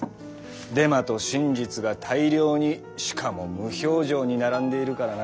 デマと真実が大量にしかも無表情に並んでいるからな。